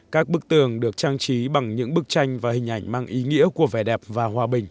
các bức tường được trang trí bằng những bức tranh và hình ảnh mang ý nghĩa